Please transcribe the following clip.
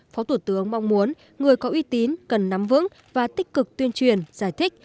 phó thủ tướng mong muốn người có uy tín cần nắm vững và tích cực tuyên truyền giải thích